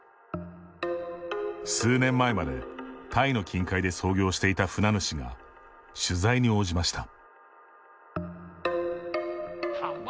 数年前までタイの近海で操業していた船主が取材に応じました。